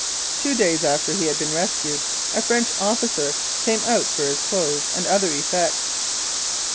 Two days after he had been rescued, a French officer came out for his clothes and other effects.